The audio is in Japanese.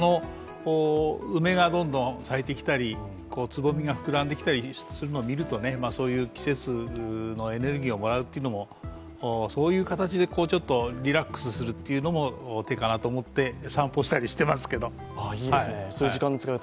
梅がどんどん咲いてきたりつぼみがふくらんできたりするのを見るとそういう季節のエネルギーをもらうというのも、そういう形でリラックスするというのも手かなと思って散歩したりしていますけど。